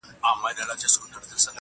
ژړا مي وژني د ژړا اوبـو تـه اور اچـوي.